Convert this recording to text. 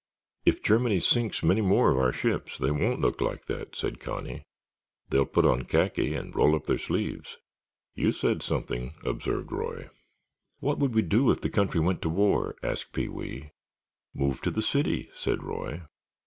"If Germany sinks many more of our ships, they won't look like that," said Connie. "They'll put on khaki and roll up their sleeves." "You said something," observed Roy. "What would we do if the country went to war?" asked Pee wee. "Move to the city," said Roy.